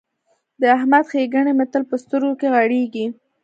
د احمد ښېګڼې مې تل په سترګو کې غړېږي.